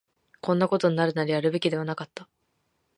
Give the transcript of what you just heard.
こんなことになるなら、やるべきではなかった